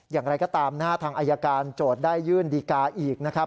อย่างไรก็ตามนะฮะทางอายการโจทย์ได้ยื่นดีกาอีกนะครับ